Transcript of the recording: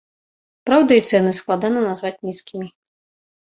Праўда, і цэны складана назваць нізкімі.